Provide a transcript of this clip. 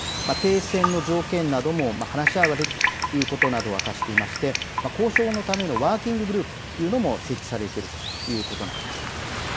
停戦の条件なども話し合われるということなどを明かしていまして交渉のためのワーキンググループというのも設置されるということなんです。